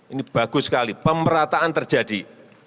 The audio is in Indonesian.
ini bagus sekali pemerataan terjadi